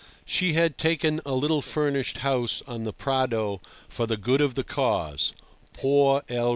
She had taken a little furnished house on the Prado for the good of the cause—Por el Rey!